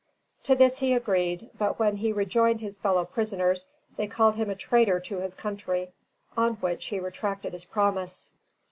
To this he agreed; but when he rejoined his fellow prisoners they called him a traitor to his country, on which he retracted his promise.